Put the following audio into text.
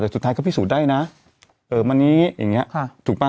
แต่สุดท้ายเขาพิสูจน์ได้น่ะเออมันนี้อย่างเงี้ยค่ะถูกป่ะ